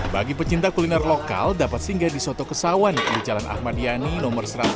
bagi pecinta kuliner lokal dapat singgah di soto kesawan di jalan ahmadiani no satu ratus enam puluh tiga